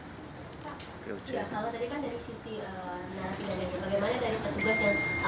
apa yang menurut sampai